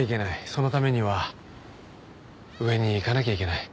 そのためには上に行かなきゃいけない。